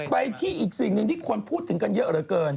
ไปที่อีกสิ่งหนึ่งที่คนพูดถึงกันเยอะเหลือเกิน